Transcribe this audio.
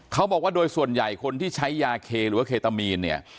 เขาบอกว่าโดยส่วนใหญ่คนที่ใช้ยาเคหรือว่าเคตามีนเนี่ย